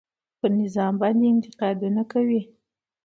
پر نظام باندې انتقادونه کوي.